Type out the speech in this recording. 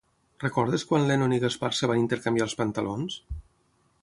Recordes quan el Lennon i el Gaspart es van intercanviar els pantalons?